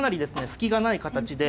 隙がない形で。